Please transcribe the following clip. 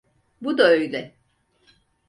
Bu da öyle.